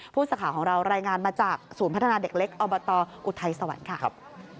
ผู้สื่อข่าวของเรารายงานมาจากศูนย์พัฒนาเด็กเล็กอบตอุทัยสวรรค์ค่ะ